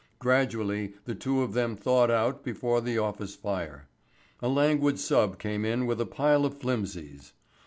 Gradually the two of them thawed out before the office fire. A languid sub came in with a pile of flimsies.